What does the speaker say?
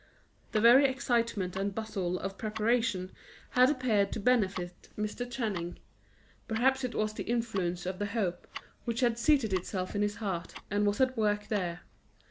The very excitement and bustle of preparation had appeared to benefit Mr. Channing; perhaps it was the influence of the hope which had seated itself in his heart, and was at work there.